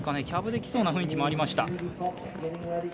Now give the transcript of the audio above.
キャブできそうな雰囲気もありました。